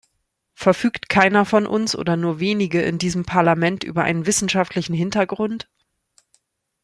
Verfügt keiner von uns oder nur wenige in diesem Parlament über einen wissenschaftlichen Hintergrund?